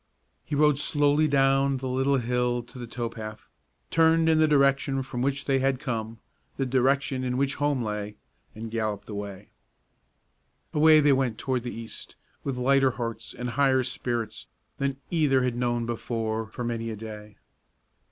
He rode slowly down the little hill to the tow path, turned in the direction from which they had come, the direction in which home lay, and galloped away. Away they went toward the east, with lighter hearts and higher spirits than either had known before for many a day.